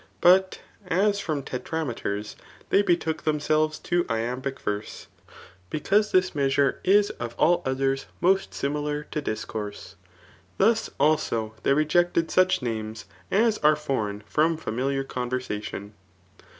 But as from tetra meters they betook themselves to iambic verse, because this measure is of all others most similar to discourse ; thus, also, they rejected such names as are fbrdgn from familiar coni^ersation.